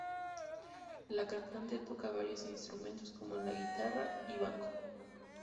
La cantante toca varios instrumentos, como la guitarra y banjo.